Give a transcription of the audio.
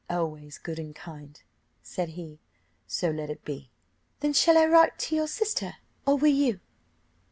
"Always good and kind," said he; "so let it be. "Then shall I write to your sister, or will you?"